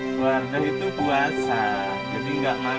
saya adaunitel yang menarik server famili